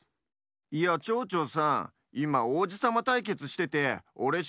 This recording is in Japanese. いやちょうちょうさんいまおうじさまたいけつしててオレし